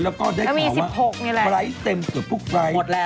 เสาร์เช้าเลยแล้วก็ได้ขอว่าไฟเต็มเกือบพวกไฟ